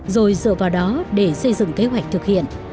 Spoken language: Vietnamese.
rồi dựa vào đó để xây dựng kế hoạch thực hiện